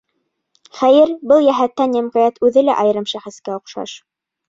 Хәйер, был йәһәттән йәмғиәт үҙе лә айырым шәхескә оҡшаш.